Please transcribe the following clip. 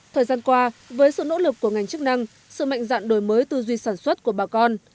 thời gian qua với sự nỗ lực của ngành chức năng sự mạnh dạng đổi mới tư duy sản xuất của bà con